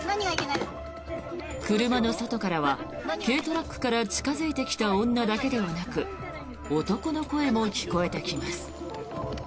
車の外からは、軽トラックから近付いてきた女だけではなく男の声も聞こえてきます。